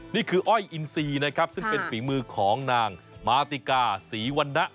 อ้อยอินซีนะครับซึ่งเป็นฝีมือของนางมาติกาศรีวรรณะ